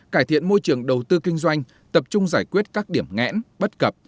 cải thiện môi trường đầu tư kinh doanh tập trung giải quyết các điểm ngẽn bất cập